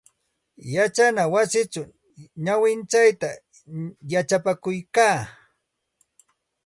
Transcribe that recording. Yachana wasichaw nawintsayta yachapakuykaa.